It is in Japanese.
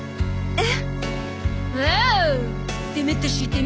えっ！？